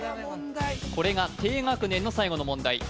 これが低学年の最後の問題